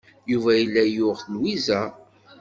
Yuba yella yuɣ Lwiza.